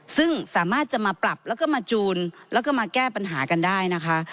ซึ่งสามารถจะมาปรับแล้วก็มาจูนแล้วก็มาแก้ปัญหากันได้นะคะ